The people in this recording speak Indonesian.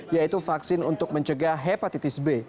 yaitu vaksin untuk mencegah hepatitis b